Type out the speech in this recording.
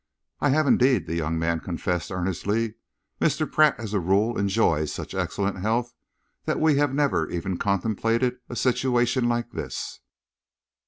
"I have indeed," the young man confessed earnestly. "Mr. Pratt as a rule enjoys such excellent health that we have never even contemplated a situation like this."